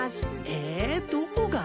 えどこが？